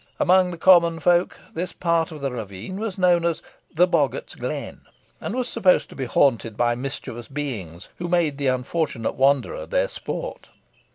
Among the common folk, this part of the ravine was known as "the boggart's glen", and was supposed to be haunted by mischievous beings, who made the unfortunate wanderer their sport.